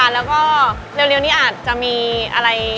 แล้วก็เร็วนี้อาจจะมีอะไร